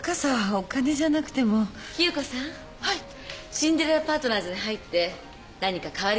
シンデレラパートナーズに入って何か変わりましたか？